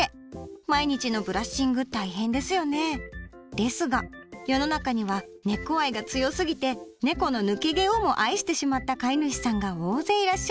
ですが世の中にはねこ愛が強すぎてねこの抜け毛をも愛してしまった飼い主さんが大勢いらっしゃいます。